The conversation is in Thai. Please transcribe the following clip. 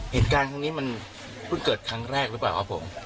เหตุการณ์ครั้งนี้มันเพิ่งเกิดครั้งแรกหรือเปล่าครับผม